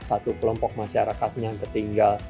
satu kelompok masyarakatnya yang tertinggal